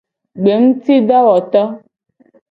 Gbengutidowoto.